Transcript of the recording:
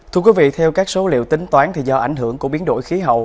thưa quý vị theo các số liệu tính toán thì do ảnh hưởng của biến đổi khí hậu